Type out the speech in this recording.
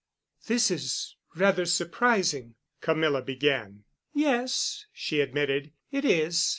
"This is—rather surprising," Camilla began. "Yes," she admitted, "it is.